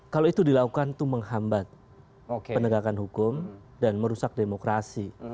kalau itu dilakukan itu menghambat penegakan hukum dan merusak demokrasi